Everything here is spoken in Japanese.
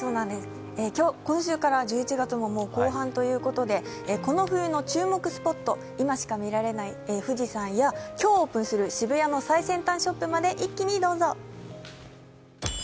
今週から１１月ももう後半ということで、この冬の注目スポット、今しか見られない富士山や今日オープンする渋谷の最先端ショップまで一気にどうぞ。